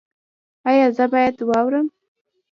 ایا زه باید واورم؟